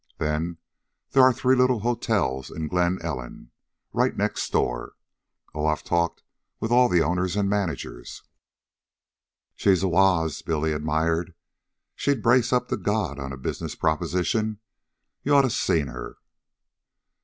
Then there are three little hotels in Glen Ellen, right next door. Oh, I've talked with all the owners and managers." "She's a wooz," Billy admired. "She'd brace up to God on a business proposition. You oughta seen her."